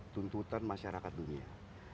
tuntutan masyarakat dunia